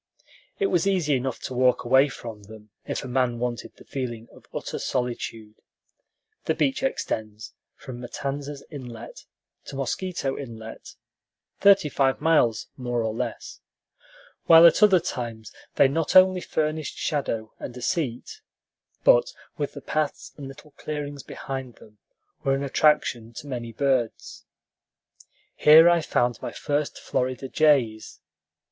It was easy enough to walk away from them, if a man wanted the feeling of utter solitude (the beach extends from Matanzas Inlet to Mosquito Inlet, thirty five miles, more or less); while at other times they not only furnished shadow and a seat, but, with the paths and little clearings behind them, were an attraction to many birds. Here I found my first Florida jays.